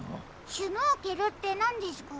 シュノーケルってなんですか？